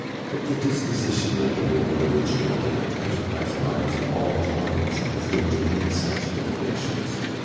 But the disposition of the more original and enterprising minds at all times has been to make such innovations.